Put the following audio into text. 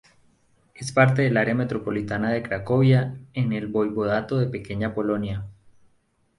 Es parte del Área metropolitana de Cracovia, en el Voivodato de Pequeña Polonia.